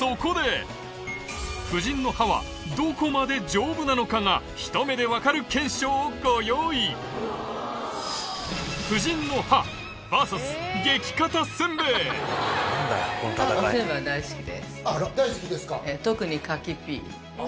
夫人の歯はどこまで丈夫なのかがひと目でわかる検証をご用意大好きですか。